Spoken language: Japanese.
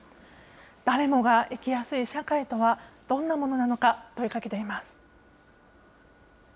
誰もが生きやすい社会とはどんなものなのか、問いかけています。